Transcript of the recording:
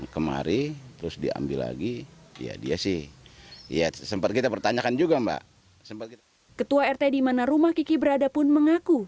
ketua rt di mana rumah kiki berada pun mengaku